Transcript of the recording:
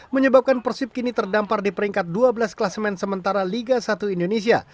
menyebabkan persib kini terdampar di peringkat dua belas kelas main sementara liga satu indonesia